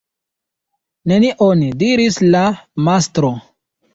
"Nenion?" diris la mastro.